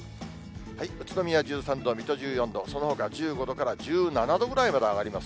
宇都宮１３度、水戸１４度、そのほかは１５度から１７度ぐらいまで上がります。